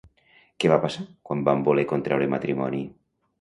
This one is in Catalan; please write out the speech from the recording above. Què va passar quan van voler contraure matrimoni?